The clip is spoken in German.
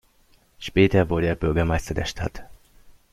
Später wurde er Bürgermeister der Stadt.